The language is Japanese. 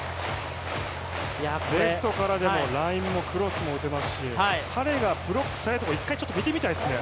レフトからでもラインもクロスも打てますし彼がブロックされるとこ一回、逆に見てみたいですね。